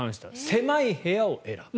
狭い部屋を選ぶ。